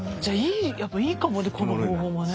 いやっぱいいかもねこの方法もね。